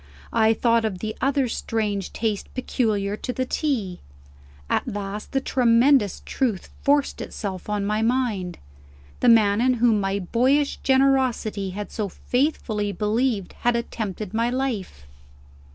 I thought of the other strange taste peculiar to the tea. At last, the tremendous truth forced itself on my mind. The man in whom my boyish generosity had so faithfully believed had attempted my life.